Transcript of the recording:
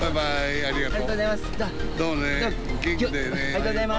ありがとうございます。